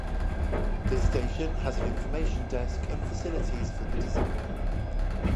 This station has an information desk and facilities for the disabled.